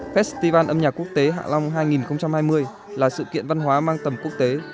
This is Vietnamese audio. festival âm nhạc quốc tế hạ long hai nghìn hai mươi là sự kiện văn hóa mang tầm quốc tế